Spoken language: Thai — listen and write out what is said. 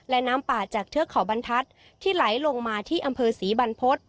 และน้ำป่าจากเทือกเขาบรรทัศน์ที่ไหลลงมาที่อำเภอศรีบรรพฤษ